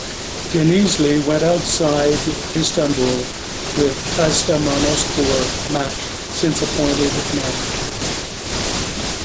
Denizli went outside Istanbul with Kastamonuspor match since appointed of manager.